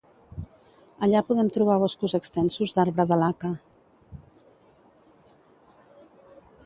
Allà podem trobar boscos extensos d'arbre de laca.